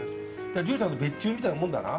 竜さんの別注みたいなもんだな。